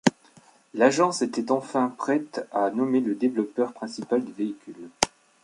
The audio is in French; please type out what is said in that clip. L'agence était enfin prête à nommer le développeur principal du véhicule.